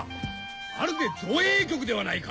まるで造幣局ではないか！